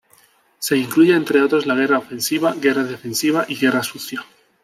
Se incluye entre otros la guerra ofensiva, guerra defensiva y guerra sucia.